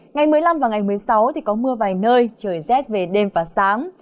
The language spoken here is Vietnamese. ngày một mươi năm và ngày một mươi sáu thì có mưa vài nơi trời rét về đêm và sáng